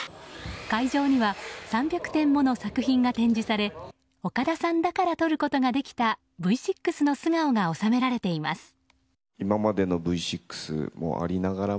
会場には３００点もの作品が展示され岡田さんだから撮ることができたＶ６の素顔が収められています。